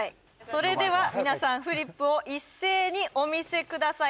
それでは皆さんフリップを一斉にお見せください